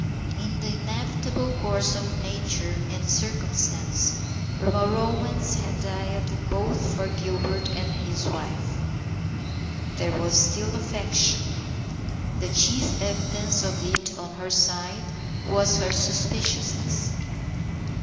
In the inevitable course of nature and circumstance romance had died both for Gilbert and his wife. There was still affection. The SAINT MARTIN'S SUMMER 157 chief evidence of it on her side was her suspicious ness.